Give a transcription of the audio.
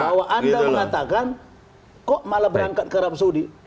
bahwa anda mengatakan kok malah berangkat ke ramsudi